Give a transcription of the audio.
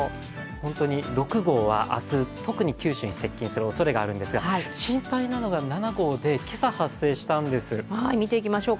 本当に６号は明日、特に九州に接近するおそれがあるんですが、心配なのが７号で、けさ発生したんです。